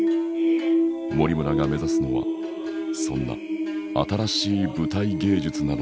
森村が目指すのはそんな新しい舞台芸術なのだ。